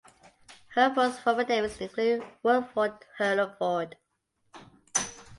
Hurlford's former names include Whirlford and Hurdleford.